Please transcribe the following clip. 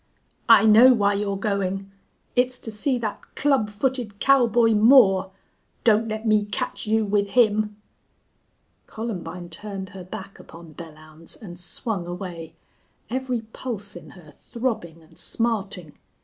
"I know why you're going. It's to see that club footed cowboy Moore!... Don't let me catch you with him!" Columbine turned her back upon Belllounds and swung away, every pulse in her throbbing and smarting.